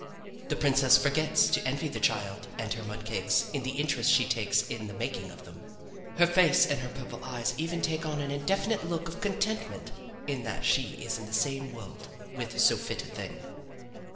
The princess forgets to envy the child and her mud cakes in the interest she takes in the making of them. Her face and her purple eyes even take on an indefinite look of contentment in that she is in the same world with so fit a thing.